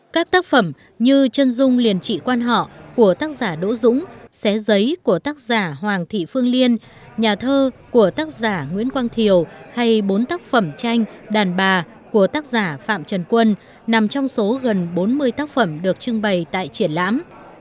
các tác phẩm như chân dung liền trị quan họ của tác giả đỗ dũng xé giấy của tác giả hoàng thị phương liên nhà thơ của tác giả nguyễn quang thiều hay bốn tác phẩm tranh đàn bà của tác giả phạm trần quân nằm trong số gần bốn mươi tác phẩm được trưng bày tại triển lãm